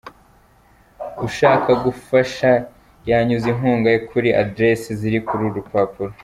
Ushaka gufasha yanyuza inkunga ye kuri 'adress' ziri kuri uru rupapuro.